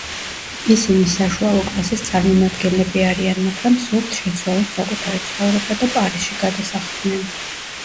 ისინი საშუალო კლასის წარმომადგენლები არიან, მაგრამ სურთ, შეცვალონ საკუთარი ცხოვრება და პარიზში გადასახლდნენ.